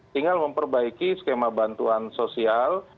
tinggal memperbaiki skema bantuan sosial